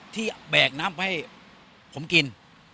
ที่แบ่งน้ำให้ผมกิน